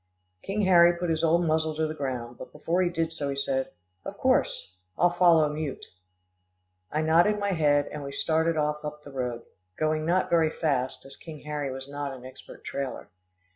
King Harry put his old muzzle to the ground, but before he did so, he said, "Of course, I'll follow mute." I nodded my head, and we started off up the road, going not very fast, as King Harry was not an expert trailer.